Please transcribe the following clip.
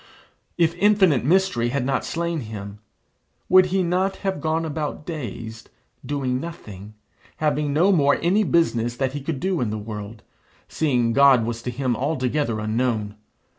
If infinite mystery had not slain him, would he not have gone about dazed, doing nothing, having no more any business that he could do in the world, seeing God was to him altogether unknown?